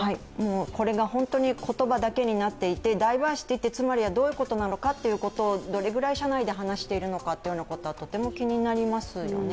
これが本当に言葉だけになっていて、ダイバーシティってつまりはどういうことなのかをどれぐらい社内で話しているのかはとても気になりますよね。